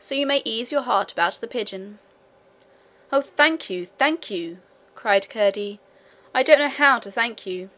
So you may ease your heart about the pigeon.' 'Oh, thank you! Thank you!' cried Curdie. 'I don't know how to thank you.'